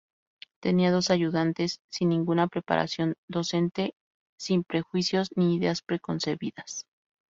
Tenía dos ayudantes sin ninguna preparación docente, sin prejuicios ni ideas preconcebidas.